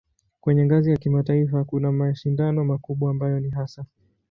Kwenye ngazi ya kimataifa kuna mashindano makubwa ambayo ni hasa